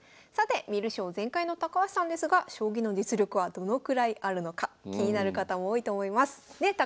さて観る将全開の高橋さんですが将棋の実力はどのくらいあるのか気になる方も多いと思います。ね？